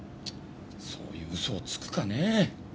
そういう嘘をつくかねぇ。